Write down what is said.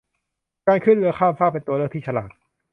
การขึ้นเรือข้ามฟากเป็นตัวเลือกที่ฉลาด